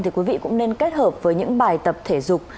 thì quý vị cũng nên kết hợp với những bài tập thể dục